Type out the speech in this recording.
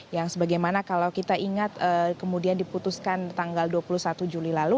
yang sebagaimana kalau kita ingat kemudian diputuskan tanggal dua puluh satu juli lalu